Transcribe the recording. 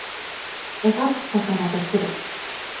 絵描くことができる